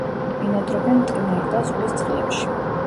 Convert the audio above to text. ბინადრობენ მტკნარ და ზღვის წყლებში.